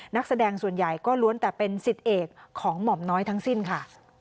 นักแสดงส่วนใหญ่ก็ล้วนแต่เป็นสิทธิเอกของหม่อมน้อยทั้งสิ้นค่ะ